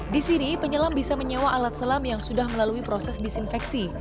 di sini penyelam bisa menyewa alat selam yang sudah melalui proses disinfeksi